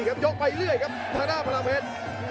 ยกไปเรื่อยคับพระนาพรมเฟส